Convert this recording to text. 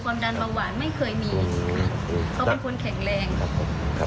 เขาเป็นคนแข็งแรงที่เสียชีวิต